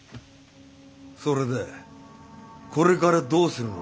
それでこれからどうするのだ？